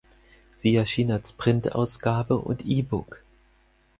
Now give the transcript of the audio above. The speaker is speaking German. Sie erschien als Printausgabe und E-Book.